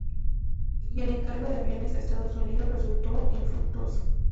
Y el encargo de aviones a Estados Unidos resultó infructuoso.